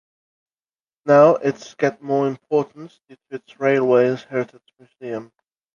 Now its get more importance due to its Railways Heritage Museum.